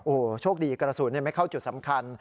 โอ้โหโชคดีกระสุนไม่เข้าจุดสำคัญ